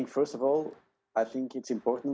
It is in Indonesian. kami sudah bekerja selama tujuh minggu dari rumah